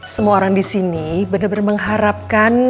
semua orang disini bener bener mengharapkan